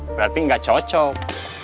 berarti gak cocok